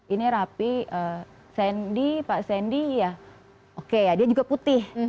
ini rapi sandy pak sandy ya oke ya dia juga putih